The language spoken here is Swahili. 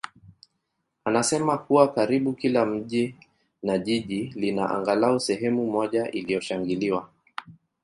anasema kuwa karibu kila mji na jiji lina angalau sehemu moja iliyoshangiliwa.